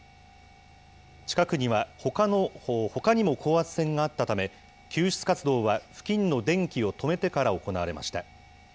近くにはほかにも高圧線があったため、救出活動は付近の電気を止めてから行われました。